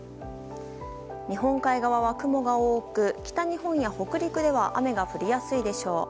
日本海側は雲が多く、北日本や北陸では雨が降りやすいでしょう。